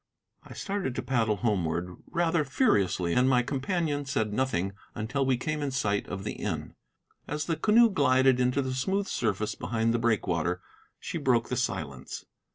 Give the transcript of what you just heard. I started to paddle homeward, rather furiously, and my companion said nothing until we came in sight of the inn. As the canoe glided into the smooth surface behind the breakwater, she broke the silence.